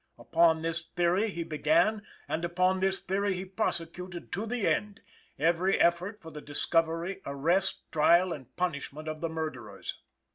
Upon this theory he began, and upon this theory he prosecuted to the end, every effort for the discovery, arrest, trial and punishment of the murderers.